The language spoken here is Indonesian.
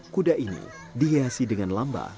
kuda ini dihiasi dengan lamba